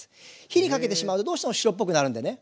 火にかけてしまうとどうしても白っぽくなるんでね。